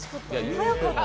速かった。